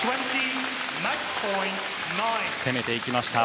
攻めていきました。